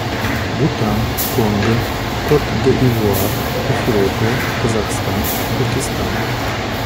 Бутан, Конго, Кот-д'Ивуар, Эфиопия, Казахстан, Пакистан.